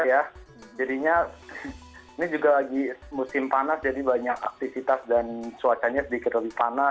ya jadinya ini juga lagi musim panas jadi banyak aktivitas dan cuacanya sedikit lebih panas